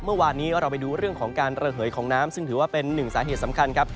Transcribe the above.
เมื่อวานนี้เราไปดูเรื่องของการระเหยของน้ำซึ่งถือว่าเป็นหนึ่งสาเหตุสำคัญครับ